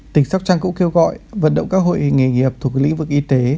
tỉnh sóc trăng cũng kêu gọi vận động các hội nghề nghiệp thuộc lĩnh vực y tế